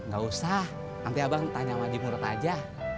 gak usah nanti abang tanya sama jimurot aja